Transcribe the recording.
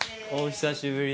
久しぶり。